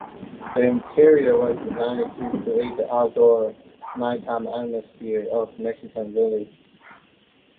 The interior was designed to create the outdoor nighttime atmosphere of a Mexican village.